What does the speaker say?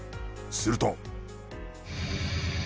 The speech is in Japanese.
すると。